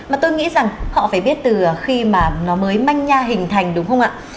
mà tôi nghĩ rằng họ phải biết từ khi mà nó mới manh nha hình thành đúng không ạ